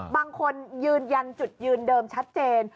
ยืนยันจุดยืนเดิมชัดเจน